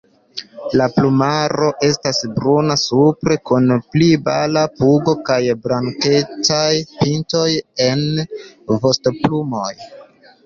La plumaro estas bruna supre kun pli pala pugo kaj blankecaj pintoj en vostoplumoj.